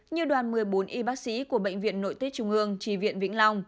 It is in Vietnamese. như đoàn một mươi bốn y bác sĩ của bệnh viện nội tiết trung ương tri viện vĩnh long